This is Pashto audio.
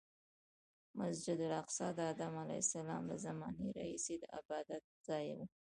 مسجد الاقصی د ادم علیه السلام له زمانې راهیسې د عبادتځای و.